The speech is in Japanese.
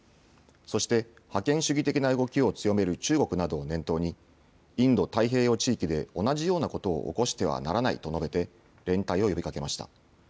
そして覇権主義的な動きを強める中国などを念頭にインド太平洋地域で同じようなことを起こしてはならないと述べて連帯を呼びかけました。